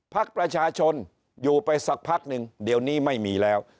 พักประชาชนอยู่ไปสักพักนึงเดี๋ยวนี้ไม่มีแล้ว